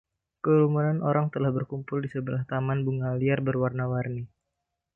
Kerumunan orang telah berkumpul di sebelah taman bunga liar berwarna-warni.